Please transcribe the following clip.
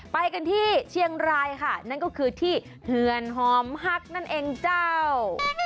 ไปกันที่เชียงรายค่ะนั่นก็คือที่เถื่อนหอมฮักนั่นเองเจ้า